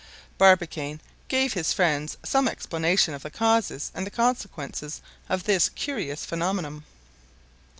Barbicane gave his friends some explanation of the causes and the consequences of this curious phenomenon.